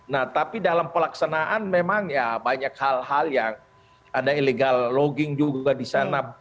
nah tapi dalam pelaksanaan memang ya banyak hal hal yang ada illegal logging juga di sana